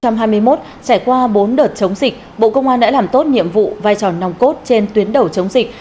năm hai nghìn hai mươi một trải qua bốn đợt chống dịch bộ công an đã làm tốt nhiệm vụ vai tròn nòng cốt trên tuyến đẩu chống dịch